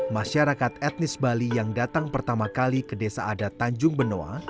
masyarakat etnis bali yang datang pertama kali ke desa adat tanjung benoa